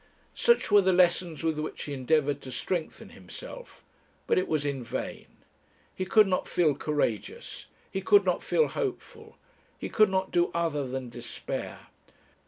Such were the lessons with which he endeavoured to strengthen himself, but it was in vain; he could not feel courageous he could not feel hopeful he could not do other than despair.